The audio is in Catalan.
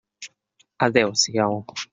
Adéu-siau.